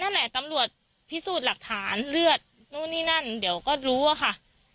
นั่นแหละตำรวจพิสูจน์หลักฐานเลือดนู่นนี่นั่นเดี๋ยวก็รู้อะค่ะ